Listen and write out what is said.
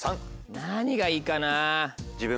何がいいかな？